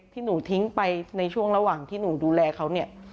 ที่หนูทิ้งไปในช่วงระหว่างที่หนูดูแลเขาเนี่ย